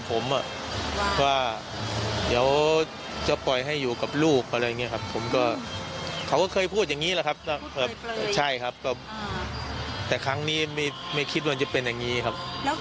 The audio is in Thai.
ผมว่าเดี๋ยวจะปล่อยให้อยู่กับลูกอะไรอย่างนี้ครับผมก็เขาก็เคยพูดอย่างนี้แหละครับใช่ครับก็แต่ครั้งนี้ไม่คิดว่าจะเป็นอย่างนี้ครับ